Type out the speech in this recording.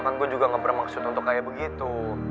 kan gue juga gak bermaksud untuk kayak begitu